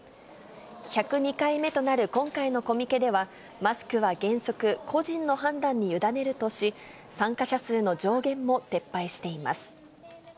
１０２回目となる今回のコミケでは、マスクは原則、個人の判断に委ねるとし、参加者数の上限も撤廃しています。